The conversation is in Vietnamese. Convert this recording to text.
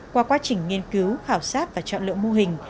qua quá trình nghiên cứu khảo sát và chọn lượng mô hình